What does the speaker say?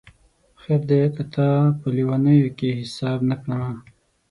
خیر دی که تا په لېونیو کي حساب نه کړمه